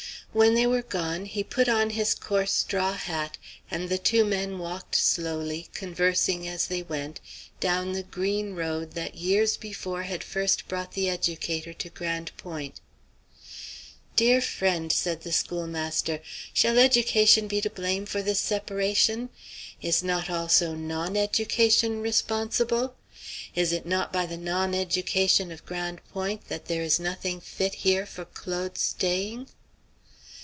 When they were gone he put on his coarse straw hat, and the two men walked slowly, conversing as they went, down the green road that years before had first brought the educator to Grande Pointe. "Dear friend," said the schoolmaster, "shall education be to blame for this separation? Is not also non education responsible? Is it not by the non education of Grande Pointe that there is nothing fit here for Claude's staying?"